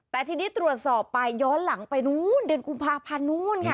แต่ทีนี้ตรวจสอบไปย้อนหลังไปนู้นเดือนกุมภาพันธ์นู้นค่ะ